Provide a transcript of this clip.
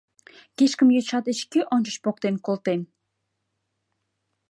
— Кишкым йоча деч кӧ ончыч поктен колтен?